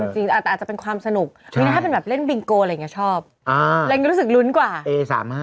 ตีเหมือนได้เล่นเกม